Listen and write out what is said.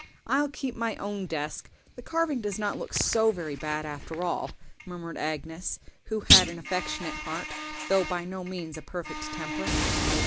I'll keep my own desk; the carving does not look so very bad, after all," murmured Agnes, who had an affectionate heart, though by no means a perfect temper.